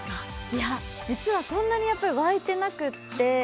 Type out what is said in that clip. いや、実はそんなに湧いてなくて。